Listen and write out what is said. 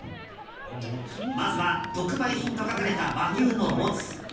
まずは特売品と書かれた和牛のモツ。